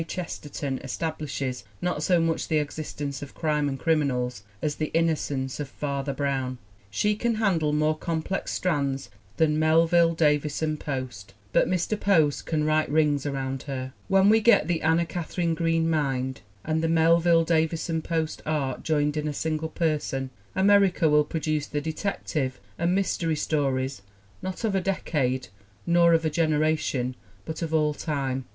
Chester ton establishes, not so much the existence of crime and criminals, as The Innocence of Father Brown. She can handle more complex strands than Melville Davis ANNA KATHARINE GREEN 213 son Post. But Mr. Post can write rings around her! When we get the Anna Katharine Green Mind and the Melville Davisson Post Art joined in a single person America will produce the detective and mystery stories not of a decade nor of a generation but of all time.